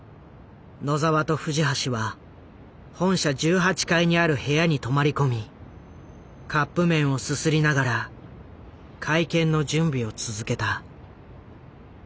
野澤と藤橋は本社１８階にある部屋に泊まり込みカップ麺をすすりながら会見の準備を続けた。